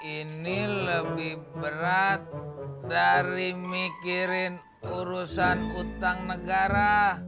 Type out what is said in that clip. ini lebih berat dari mikirin urusan utang negara